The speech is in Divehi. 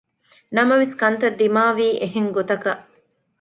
ނަމަވެސް ކަންތައް ދިމާވީ އެހެންގޮތަކަށް